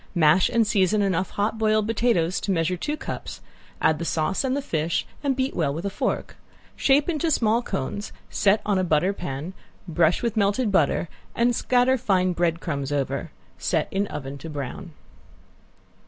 Mash and season enough hot boiled potatoes to measure two cups, add the sauce and the fish and beat well with a fork. Shape in small cones, set on a butter pan, brush with melted butter and scatter fine bread crumbs over. Set in oven to brown.